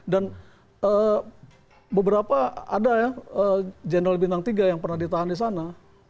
dan beberapa ada ya jendela bintang tiga yang pernah ditahan di sana